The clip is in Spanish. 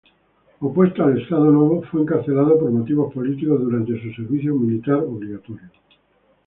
Opuesto al Estado Novo, fue encarcelado por motivos políticos durante su servicio militar obligatorio.